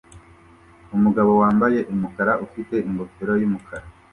Umugabo wambaye umukara ufite ingofero yumukara